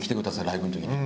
ライブの時に。